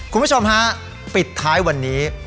คุณผู้ชมฮะปิดท้ายวันนี้